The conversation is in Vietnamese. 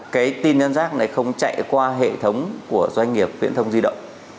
cái tin nhắn rác này không chạy qua hệ thống của doanh nghiệp viễn thông di động